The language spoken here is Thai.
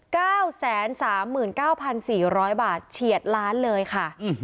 เก้าแสนสามหมื่นเก้าพันสี่ร้อยบาทเฉียดล้านเลยค่ะอืม